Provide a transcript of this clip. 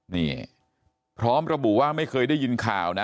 นี่พร้อมระบุว่าไม่เคยได้ยินข่าวนะ